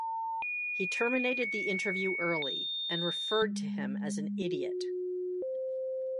He terminated the interview early and referred to him as an idiot.